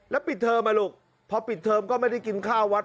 แล้วปิดเทอมอ่ะลูกพอปิดเทอมก็ไม่ได้กินข้าววัด